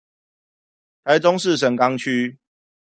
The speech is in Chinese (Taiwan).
台中市神岡區